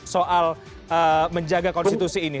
soal menjaga konstitusi ini